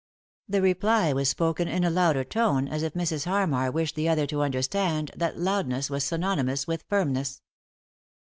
The reply was spoken in a louder tone, as if Mrs. Harmar wished the other to understand that loudness was synonymous with firmness.